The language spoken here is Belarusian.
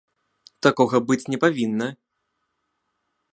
Такога быць не павінна!